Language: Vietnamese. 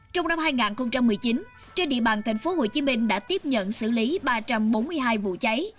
trong năm hai nghìn một mươi chín trên địa bàn thành phố hồ chí minh đã tiếp nhận xử lý ba trăm bốn mươi hai vụ cháy